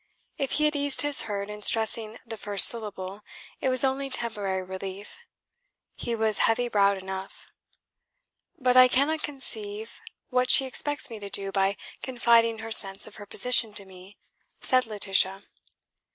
If he had eased his heart in stressing the first syllable, it was only temporary relief. He was heavy browed enough. "But I cannot conceive what she expects me to do by confiding her sense of her position to me," said Laetitia.